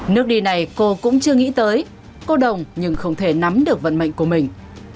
nước đi này cô cũng chưa nghĩ tới cô đồng nhưng không thể nắm được vận mệnh của mình